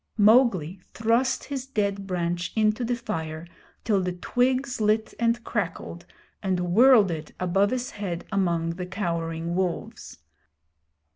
Mowgli thrust his dead branch into the fire till the twigs lit and crackled, and whirled it above his head among the cowering wolves.